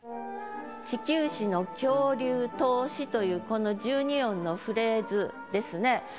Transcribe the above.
「地球史の恐竜遠し」というこの十二音のフレーズですね。